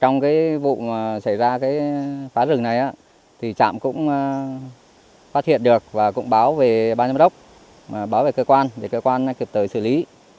trong vụ xảy ra phá rừng này trạm cũng phát hiện được và cũng báo về ban giám đốc báo về cơ quan để cơ quan kịp thời xử lý